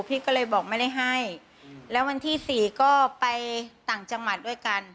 พี่ก็เลยบอกไม่ได้ให้แล้ววันที่สี่ก็ไปต่างจังหวัดด้วยกัน